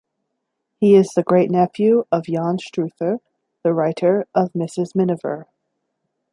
He is the great-nephew of Jan Struther, the writer of Mrs Miniver.